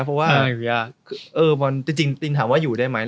เพราะว่าจริงตินถามว่าอยู่ได้ไหม